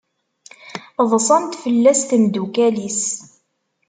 Ḍsant fell-as temdukal-is.